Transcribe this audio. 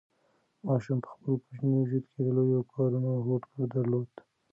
ماشوم په خپل کوچني وجود کې د لویو کارونو هوډ درلود.